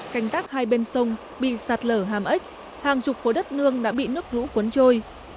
canh tác hai bên sông bị sạt lở hàm ếch hàng chục khối đất nương đã bị nước lũ cuốn trôi